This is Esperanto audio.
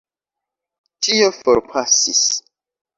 Ĉio forpasis.